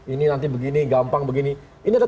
ini nanti begini gampang begini ini